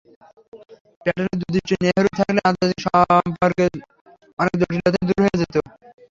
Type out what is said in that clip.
প্যাটেলের দূরদৃষ্টি নেহরুর থাকলে আন্তর্জাতিক সম্পর্কের অনেক জটিলতাই দূর হয়ে যেত।